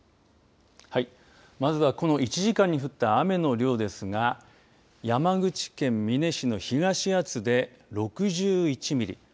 はい、まずはこの１時間に降った雨の量ですが山口県美祢市の東厚保で６１ミリ。